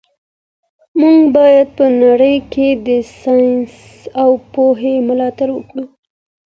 موږ باید په نړۍ کي د ساینس او پوهي ملاتړ وکړو.